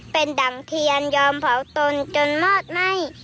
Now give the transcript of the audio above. เป็นดั่งเทียนยอมเผาตนจนมอดให้